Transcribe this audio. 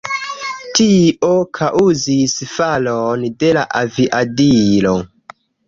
Tio kaŭzis falon de la aviadilo.